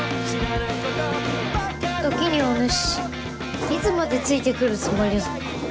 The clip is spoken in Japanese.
時におぬしいつまでついてくるつもりぞ？